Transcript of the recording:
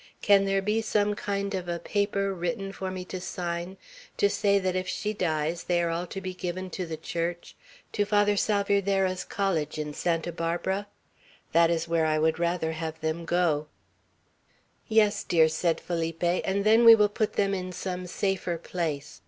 Can there be some kind of a paper written for me to sign, to say that if she dies they are all to be given to the Church, to Father Salvierderra's College, in Santa Barbara? That is where I would rather have them go." "Yes, dear," said Felipe; "and then we will put them in some safer place.